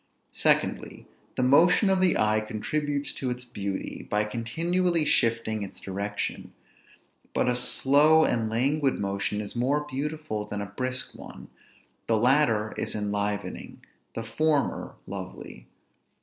Secondly, the motion of the eye contributes to its beauty, by continually shifting its direction; but a slow and languid motion is more beautiful than a brisk one; the latter is enlivening; the former lovely.